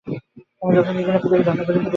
আমি যতদূর জানি, পৃথিবীর দামী ঘড়ির মধ্যে এটি একটি।